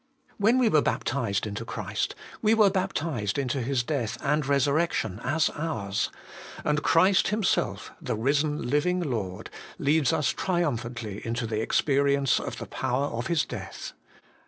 When we were baptized into Christ, we were baptized into His death and resurrection as ours ; and Christ Himself, the Eisen Living Lord, leads us triumphantly into the experience of the power of His death.